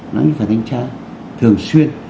nó như phải thanh tra thường xuyên